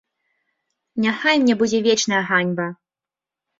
Няхай мне будзе вечная ганьба!